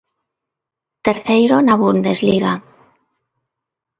Terceiro na Bundesliga.